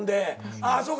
ああそうか。